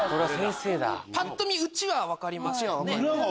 ぱっと見「内」は分かりますよね。